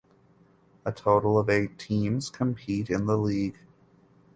A total of eight teams compete in the league.